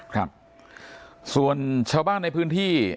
ครับส่วนชาวบ้านในพื้นที่